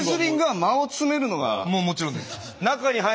もちろんです。